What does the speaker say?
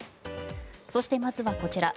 そして、まずはこちら。